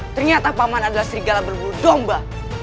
ternyata paman adalah serigala berbudomba